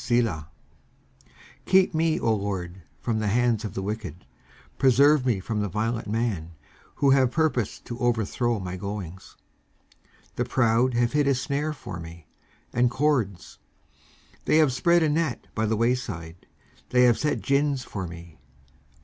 Selah. 19:140:004 Keep me, O LORD, from the hands of the wicked; preserve me from the violent man; who have purposed to overthrow my goings. 19:140:005 The proud have hid a snare for me, and cords; they have spread a net by the wayside; they have set gins for me.